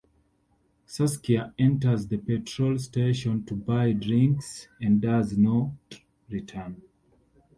Saskia enters the petrol station to buy drinks and does not return.